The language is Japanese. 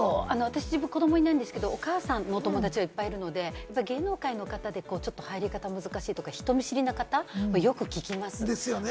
私子どもいないですけれども、お母さんのお友達がいっぱいいるので芸能界の方で入りかたが難しいとか人見知りな方、よく聞きますね。